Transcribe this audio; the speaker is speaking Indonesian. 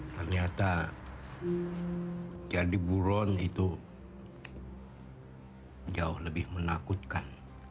ternyata jadi buron itu jauh lebih menakutkan